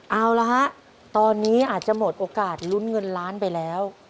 เอาละฮะตอนนี้อาจจะหมดโอกาสลุ้นเงินล้านไปแล้ว